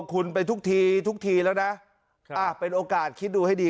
คุณไปทุกทีทุกทีแล้วนะเป็นโอกาสคิดดูให้ดี